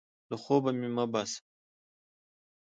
له خوبه مې مه باسه!